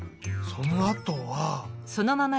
そのあとは。